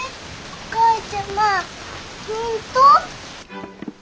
お母ちゃま本当？